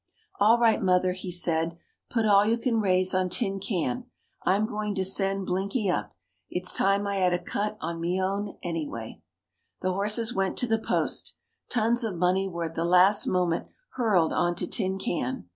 "All right, mother," he said. "Put all you can raise on Tin Can. I'm going to send Blinky up. It's time I had a cut on me own, anyway." The horses went to the post. Tons of money were at the last moment hurled on to Tin Can.